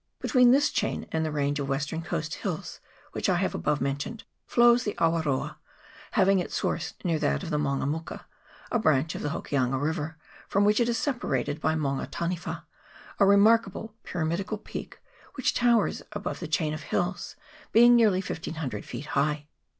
Between this chain and the range of western coast hills which I have above mentioned, flows the Awaroa, having its source near that of the Mango muka a branch of the Hokianga river, from which it is separated by the Maunga Taniwa, a remarkable pyramidical peak which towers above the chain of hills, being nearly 1500 feet high.